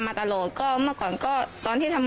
ความปลอดภัยของนายอภิรักษ์และครอบครัวด้วยซ้ำ